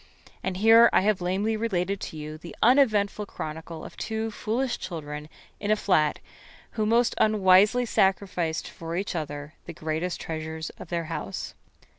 And here I have lamely related to you the uneventful chronicle of two foolish children in a flat who most unwisely sacrificed for each other the greatest treasures of their house.